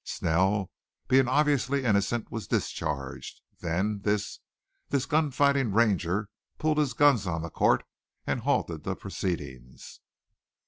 Snell, being obviously innocent, was discharged. Then this this gun fighting Ranger pulled his guns on the court and halted the proceedings."